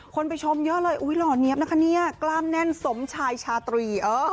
ไปชมเยอะเลยอุ๊ยหล่อเนี๊ยบนะคะเนี่ยกล้ามแน่นสมชายชาตรี